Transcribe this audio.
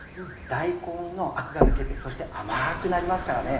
大根のアクが抜けてそして甘くなりますからね